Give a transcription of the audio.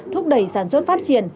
thúc đẩy sản xuất phát triển